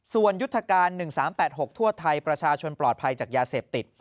ส่วนยุทธการ๑๓๘๖ทั่วไทยประชาชนปลอดภัยจากยาเสพติด